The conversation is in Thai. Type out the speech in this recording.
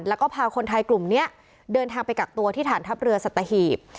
แล้วก็พาคนไทยกลุ่มนี้เดินทางไปกักตัวที่ฐานทัพเรือสัตหีบ